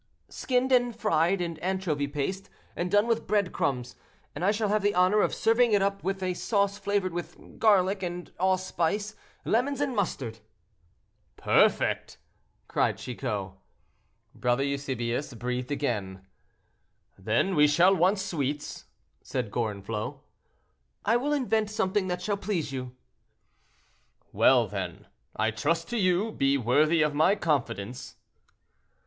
"Skinned and fried in anchovy paste, and done with bread crumbs; and I shall have the honor of serving it up with a sauce flavored with garlic and allspice, lemons and mustard." "Perfect!" cried Chicot. Brother Eusebius breathed again. "Then we shall want sweets," said Gorenflot. "I will invent something that shall please you." "Well, then, I trust to you; be worthy of my confidence."